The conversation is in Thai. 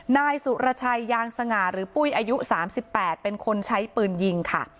นายสุรชัยยางสง่าหรือปุ้ยอายุ๓๘เป็นคนใช้ปืนยิงค่ะ